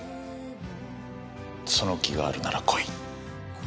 その気があるなら来い。